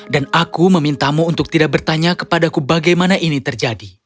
dan aku memintamu untuk tidak bertanya kepadaku bagaimana ini terjadi